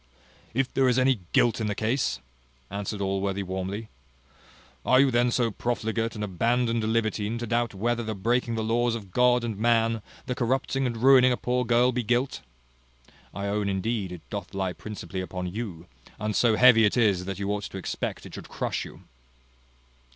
"If there is any guilt in the case!" answered Allworthy warmly: "Are you then so profligate and abandoned a libertine to doubt whether the breaking the laws of God and man, the corrupting and ruining a poor girl be guilt? I own, indeed, it doth lie principally upon you; and so heavy it is, that you ought to expect it should crush you."